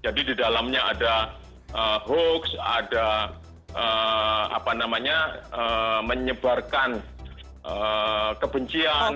jadi di dalamnya ada hoax ada apa namanya menyebarkan kebencian